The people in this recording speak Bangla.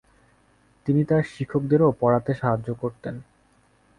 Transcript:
তিনি তার শিক্ষকদেরও পড়াতে সাহায্য করতেন।